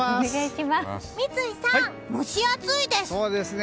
三井さん、蒸し暑いです！